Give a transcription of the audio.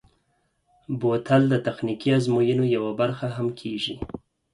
بوتل د تخنیکي ازموینو یوه برخه هم کېږي.